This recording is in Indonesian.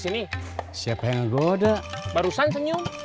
sini belanjanya saya bawain